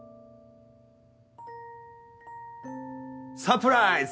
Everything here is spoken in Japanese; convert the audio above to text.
サプライズ！